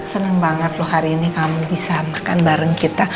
ros seneng banget lo hari ini kamu bisa makan bareng kita